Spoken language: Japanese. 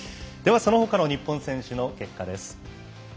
そのほかの日本選手の結果です。